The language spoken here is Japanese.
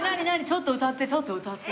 ちょっと歌ってちょっと歌って。